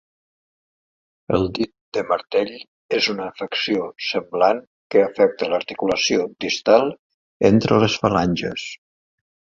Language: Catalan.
El dit de martell és una afecció semblant que afecta l'articulació distal entre les falanges.